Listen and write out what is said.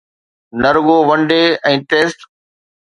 نه رڳو one day ۽ test